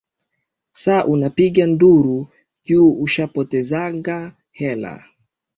Saa unapiga nduru juu ushapotezanga hela.